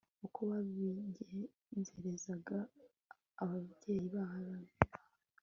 uko babigenzerezaga ababyeyi b'abami